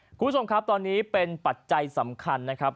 คุณผู้ชมครับตอนนี้เป็นปัจจัยสำคัญนะครับ